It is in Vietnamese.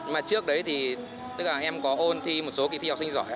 mà trước đấy thì tức là em có ôn thi một số kỳ thi học sinh giỏi